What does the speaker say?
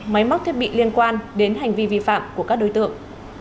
máy móc thiết bị liên quan đến hành vi vi phạm của các đối tượng